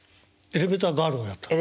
エレベーターガールをやったの？